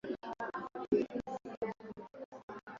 io hilo limethibitishwa na umoja wa ulaya chini ya shirika la navfo